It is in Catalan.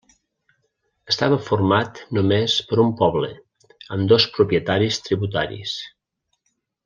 Estava format només per un poble, amb dos propietaris tributaris.